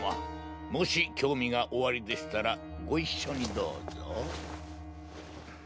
もし興味がおありでしたらご一緒にどうぞ。